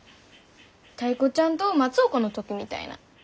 タイ子ちゃんと松岡の時みたいなん。